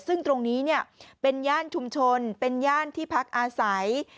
ซึ่งตรงนี้เป็นย่านชุมชนเป็นย่านที่พักอาศัย